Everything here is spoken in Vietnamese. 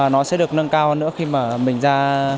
nó sẽ được nâng cao hơn nữa khi mà mình ra